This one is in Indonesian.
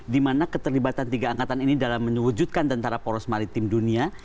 dimana keterlibatan tiga angkatan ini dalam mewujudkan tentara poros maritim dunia